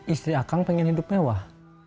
istri akang pengen hidup mewah